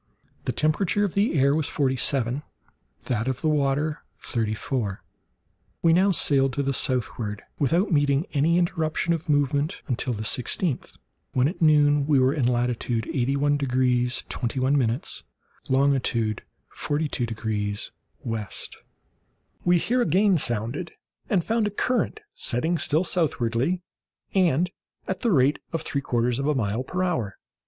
The temperature of the air was forty seven, that of the water thirty four. We now sailed to the southward without meeting any interruption of moment until the sixteenth, when, at noon, we were in latitude 81 degrees 21', longitude 42 degrees W. We here again sounded, and found a current setting still southwardly, and at the rate of three quarters of a mile per hour.